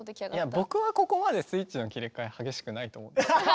いや僕はここまでスイッチの切り替え激しくないと思うんですけどね。